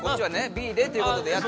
Ｂでということでやって。